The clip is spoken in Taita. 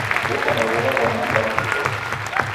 Deka na w'ow'a ghwa mamba na viboko